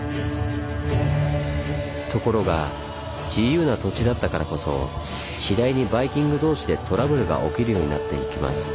ところが自由な土地だったからこそ次第にバイキング同士でトラブルが起きるようになっていきます。